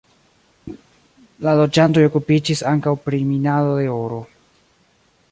La loĝantoj okupiĝis ankaŭ pri minado de oro.